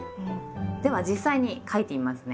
では実際に書いてみますね。